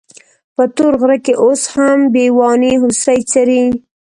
په تور غره کې اوس هم بېواني هوسۍ څري.